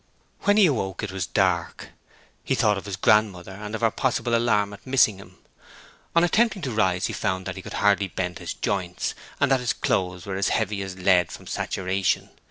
When he awoke it was dark. He thought of his grandmother, and of her possible alarm at missing him. On attempting to rise, he found that he could hardly bend his joints, and that his clothes were as heavy as lead from saturation.